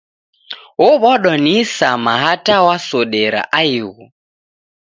Ow'adwa ni isama hata wasodera aighu.